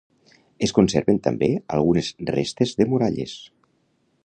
Es conserven també algunes restes de muralles.